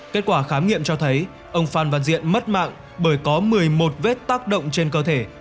kết quả khám nghiệm cho thấy ông phan văn diện mất mạng bởi có một mươi một vết tác động trên cơ thể